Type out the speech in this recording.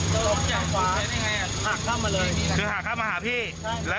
ครับอะนางมามันตกไปตกจากขวานี่ไงอ่ะ